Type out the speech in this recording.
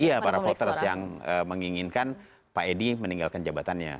iya para voters yang menginginkan pak edi meninggalkan jabatannya